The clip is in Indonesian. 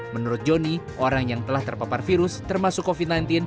menurut joni orang yang telah terpapar virus termasuk covid sembilan belas